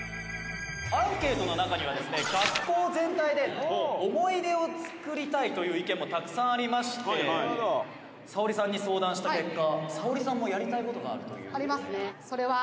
「アンケートの中にはですね学校全体で思い出を作りたいという意見もたくさんありまして沙保里さんに相談した結果」